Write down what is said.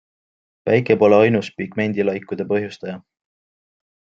Päike pole ainus pigmendilaikude põhjustaja.